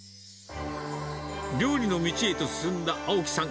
料理の道へと進んだ青木さん。